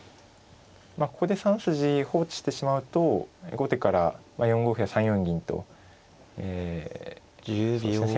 まあここで３筋放置してしまうと後手から４五歩や３四銀とそうですね